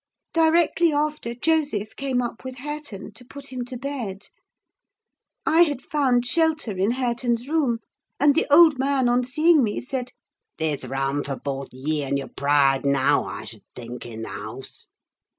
Directly after Joseph came up with Hareton, to put him to bed. I had found shelter in Hareton's room, and the old man, on seeing me, said,—"They's rahm for boath ye un' yer pride, now, I sud think i' the hahse.